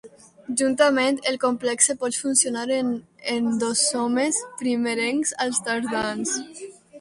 Juntament, el complexe pot funcionar en endosomes primerencs als tardans.